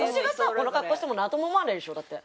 この格好してもなんとも思わないでしょ？だって。